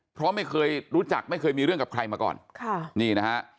เพราะไม่เคยรู้จักไม่เคยมีเรื่องกับใครมาก่อนค่ะนี่นะฮะ